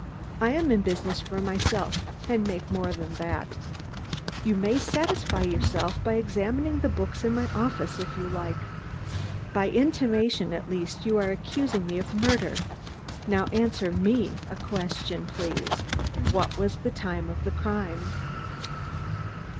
I am in business for myself, and make more than that. You may satisfy yourself by examining the books in my office if you like. By intimation, at least, you are accusing me of murder. Now answer me a question, please. What was the time of the crime?"